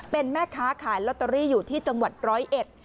เป็นแม่ค้าขายลอตเตอรี่อยู่ที่จังหวัดร้อยเอ็ด